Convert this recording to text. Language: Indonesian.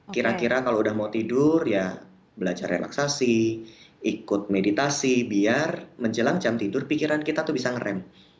kira kira kalau udah mau tidur ya belajar relaksasi ikut meditasi biar menjelang jam tidur pikiran kita tuh bisa ngerem